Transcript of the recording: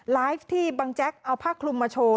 ไลฟ์ที่บังแจ๊กเอาผ้าคลุมมาโชว์